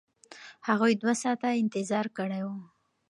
هغوی دوه ساعته انتظار کړی و.